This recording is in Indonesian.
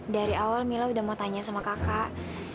dari awal mila udah mau tanya sama kakak